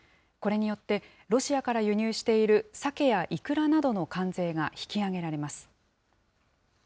これによってロシアから輸入しているサケやイクラなどの関税が引き上げられます。